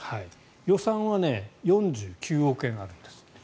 予算は４９億円あるんですって。